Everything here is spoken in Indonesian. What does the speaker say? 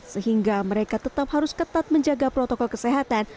sehingga mereka tetap harus ketat menjaga protokol kesehatan